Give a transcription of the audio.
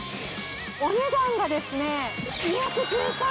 お値段がですね。